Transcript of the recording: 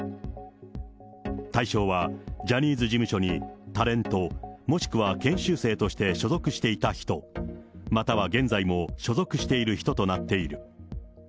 対象は、ジャニーズ事務所にタレント、もしくは研修生として所属していた人、または現在も所属している人となっている。